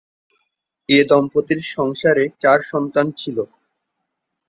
এ দম্পতির সংসারে চার সন্তান ছিল।